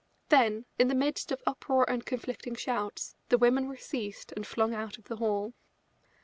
Then, in the midst of uproar and conflicting shouts, the women were seized and flung out of the hall.